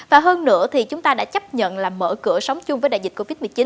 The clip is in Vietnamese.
và hơn nữa thì chúng ta đã chấp nhận là mở cửa sống chung với đại dịch covid một mươi chín